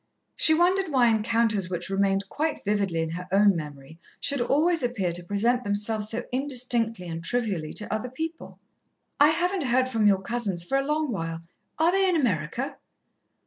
She wondered why encounters which remained quite vividly in her own memory should always appear to present themselves so indistinctly and trivially to other people. "I haven't heard from your cousins for a long while. Are they in America?"